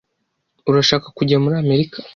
Urashaka kujya muri Amerika?